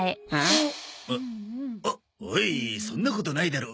おおいそんなことないだろ。